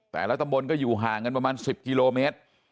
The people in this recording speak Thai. แต่ละตำบลก็อยู่ห่างกันประมาณ๑๐กิโลเมตร